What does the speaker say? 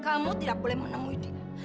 kamu tidak boleh menemui dia